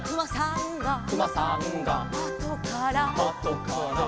「あとから」